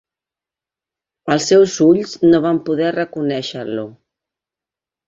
Els seus ulls no van poder reconèixer-lo.